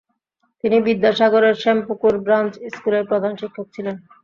তিনি বিদ্যাসাগরের শ্যামপুকুর ব্রাঞ্চ স্কুলের প্রধান শিক্ষক ছিলেন।